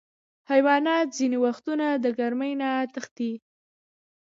حیوانات ځینې وختونه د ګرمۍ نه تښتي.